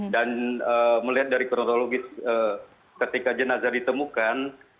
dan melihat dari kronologi ketika jenazah ditemukan